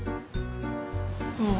うん。